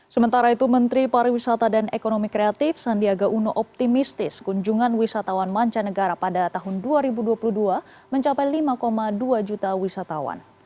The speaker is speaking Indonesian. sementara itu menteri pariwisata dan ekonomi kreatif sandiaga uno optimistis kunjungan wisatawan mancanegara pada tahun dua ribu dua puluh dua mencapai lima dua juta wisatawan